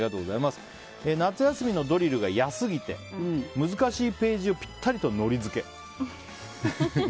夏休みのドリルが嫌すぎて難しいページをぴったりとのり付け。